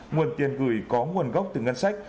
nguồn tiền gửi có nguồn gốc từ ngân sách